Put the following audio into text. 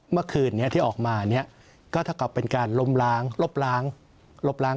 เมื่อคืนที่ออกมาถ้าเป็นการลบล้าง